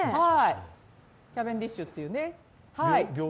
キャベンディッシュっていうね。